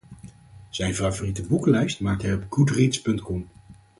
Zijn favoriete boekenlijst maakt hij op Goodreads.com.